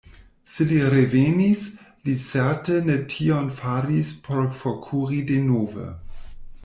Se li revenis, li certe ne tion faris por forkuri denove.